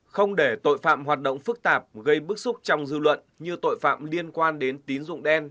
không để tội phạm hoạt động phức tạp gây bức xúc trong dư luận như tội phạm liên quan đến tín dụng đen